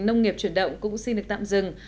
nông nghiệp chuyển động cũng xin được tạm dừng